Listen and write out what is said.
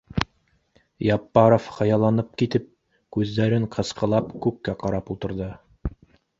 — Яппаров хыялланып китеп, күҙҙәрен ҡыҫҡылап, күккә ҡарап ултырҙы